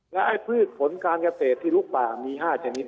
และไอ้พืชผลการเกษตรที่ลุกป่ามี๕ชนิด